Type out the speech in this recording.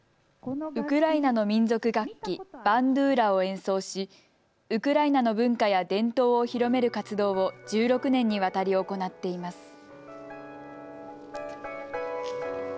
ウクライナの民族楽器、バンドゥーラを演奏しウクライナの文化や伝統を広める活動を１６年にわたり行っています。